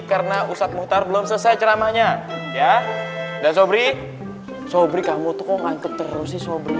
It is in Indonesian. karena usap muhtar belum selesai ceramahnya ya dan sobri sobri kamu tuh ngantuk terus